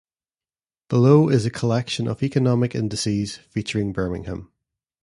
Below is a collection of economic indices featuring Birmingham.